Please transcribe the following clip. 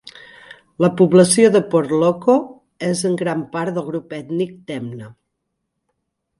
La població de Port Loko és en gran part del grup ètnic temne.